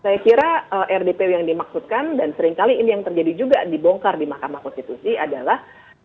saya kira rdpu yang dimaksudkan dan seringkali ini yang terjadi juga dibongkar di mahkamah konstitusi adalah